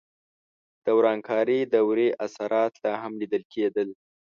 د ورانکارې دورې اثرات لا هم لیدل کېدل.